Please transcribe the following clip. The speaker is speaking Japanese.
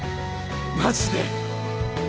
マジで！